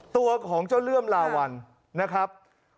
ตัวของเจ้าเลื่อมลาวันนะครับ